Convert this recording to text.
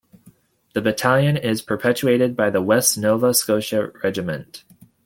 The battalion is perpetuated by The West Nova Scotia Regiment.